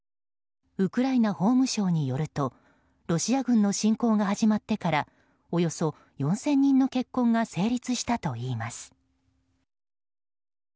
ウクライナ法務省によるとロシア軍の侵攻が始まってからおよそ４０００人の結婚が成立したといいます。